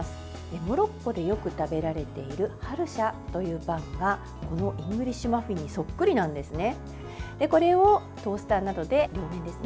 モロッコでよく食べられているハルシャというパンはこのイングリッシュマフィンにソックリなんですね。